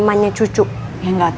jadi kayak gitu kita pusing internships